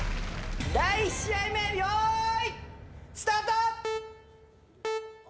第１試合目よーいスタート！